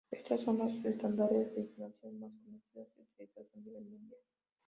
Estos son los estándares de instalación más conocidos y utilizados a nivel mundial.